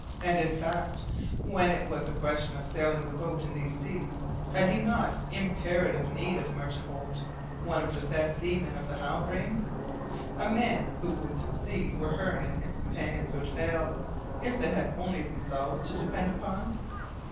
And, in fact, when it was a question of sailing the boat in these seas, had he not imperative need of Martin Holt, one of the best seamen of the Halbrane? A man who would succeed where Hearne and his companions would fail, if they had only themselves to depend on?